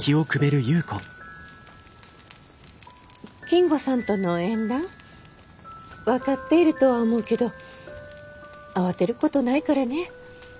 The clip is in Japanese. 金吾さんとの縁談分かっているとは思うけど慌てることないからね。